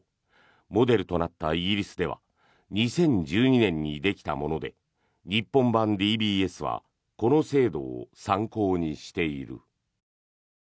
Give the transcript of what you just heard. モデルとなったイギリスでは２０１２年にできたもので日本版ＤＢＳはこの制度を参考にしている。